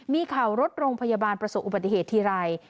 มีข่าวรถโรงพยาบาลประสบอุบัติเหตุทีไร